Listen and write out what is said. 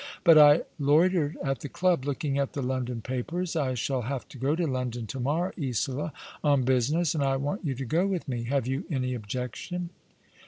But I loitered at the club looking at the London papers. I shall have to go to London to morrow, Isola— on business — and I want you to go with me. Have you any objection